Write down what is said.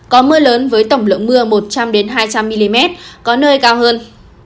có mưa lớn với tổng lượng mưa một trăm linh hai trăm linh mm có nơi cao hơn